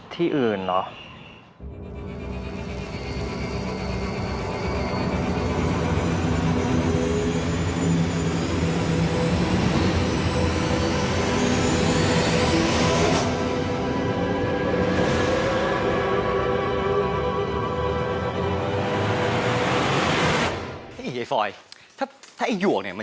ที่อื่นเหรอ